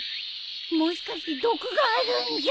もしかして毒があるんじゃ。